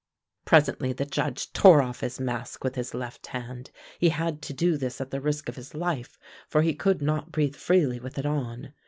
Presently the Judge tore off his mask with his left hand. He had to do this at the risk of his life, for he could not breath freely with it on.